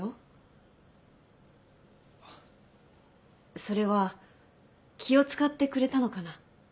それは気を使ってくれたのかな。